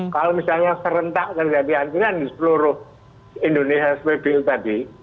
kalau misalnya serentak terjadi antrean di seluruh indonesia seperti itu tadi